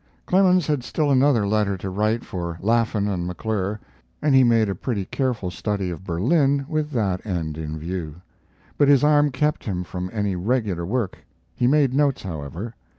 Clemens had still another letter to write for Laffan and McClure, and he made a pretty careful study of Berlin with that end in view. But his arm kept him from any regular work. He made notes, however.